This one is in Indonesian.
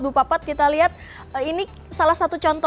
bupapat kita lihat ini salah satu contoh